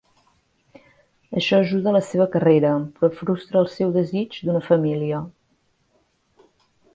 Això ajuda la seva carrera però frustra el seu desig d'una família.